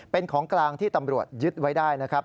เป็นของกลางที่ตำรวจยึดไว้ได้นะครับ